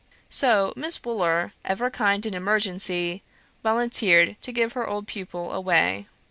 So Miss Wooler, ever kind in emergency, volunteered to give her old pupil away.